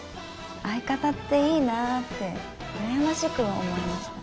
相方っていいなってうらやましく思えました。